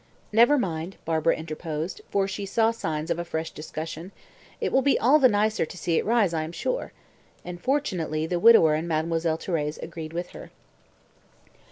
"Never mind," Barbara interposed, for she saw signs of a fresh discussion. "It will be all the nicer to see it rise, I am sure." And, fortunately, the widower and Mademoiselle Thérèse agreed with her.